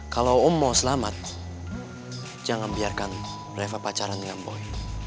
kalau om mau selamat jangan biarkan reva pacaran dengan boy